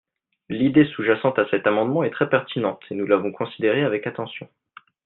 L’idée sous-jacente à cet amendement est très pertinente et nous l’avons considérée avec attention.